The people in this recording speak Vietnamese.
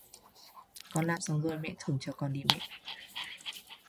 Con làm xong rồi mẹ thưởng cho con đi mẹ